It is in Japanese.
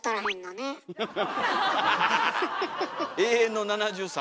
永遠の７３。